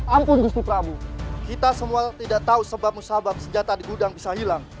ampun gusti prabu kita semua tidak tahu sebab sebab senjata di gudang bisa hilang